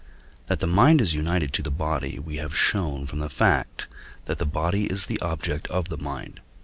That the mind is united to the body we have shown from the fact, that the body is the object of the mind (II.